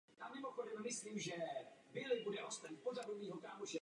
Narodil se v rodině úředníků.